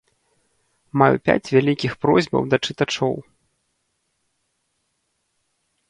Маю пяць вялікіх просьбаў да чытачоў.